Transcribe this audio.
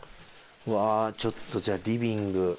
うわちょっとリビング。